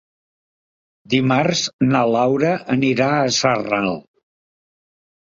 Dimarts na Laura anirà a Sarral.